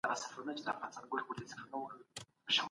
مخینه موږ ته د تېر وخت لار راښيي.